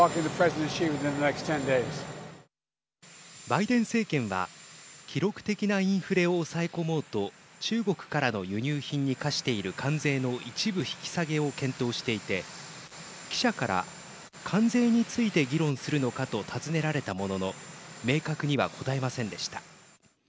バイデン政権は記録的なインフレを抑え込もうと中国からの輸入品に課している関税の一部引き下げを検討していて記者から関税について議論するのかと尋ねられたものの明確には答えませんでした。